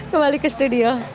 kembali ke studio